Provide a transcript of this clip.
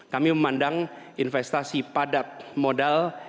kami memandang investasi padat modal